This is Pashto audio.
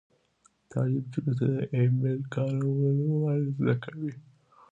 تعلیم نجونو ته د ای میل کارول ور زده کوي.